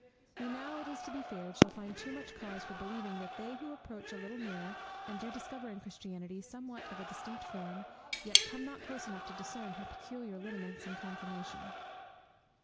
We now, it is to be feared, shall find too much cause for believing that they who approach a little nearer, and do discover in Christianity somewhat of a distinct form, yet come not close enough to discern her peculiar lineaments and conformation.